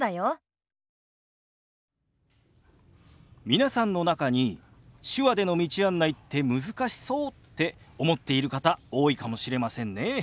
皆さんの中に手話での道案内って難しそうって思っている方多いかもしれませんね。